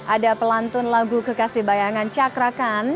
ada pelantun lagu kekasih bayangan cakrakan